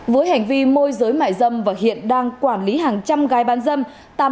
với hành vi môi giới mại dâm và hiện đang quản lý hàng trăm gái bán dâm